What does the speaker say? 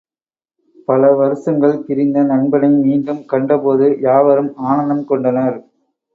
பல வருஷங்கள் பிரிந்த நண்பனை மீண்டும் கண்டபோது யாவரும் ஆனந்தம் கொண்டனர்.